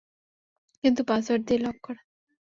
কিন্তু পাসওয়ার্ড দিয়ে লক করা।